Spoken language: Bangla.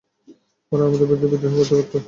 ওরা আমাদের বিরুদ্ধে বিদ্রোহ করতে পারত।